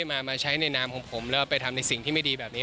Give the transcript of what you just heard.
มาใช้ในนามของผมแล้วไปทำในสิ่งที่ไม่ดีแบบนี้